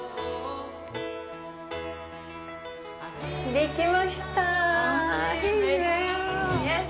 できました。